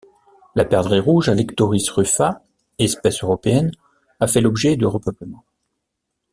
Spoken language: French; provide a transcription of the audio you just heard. La perdrix rouge Alectoris rufa, espèce européenne, a fait l'objet de repeuplements.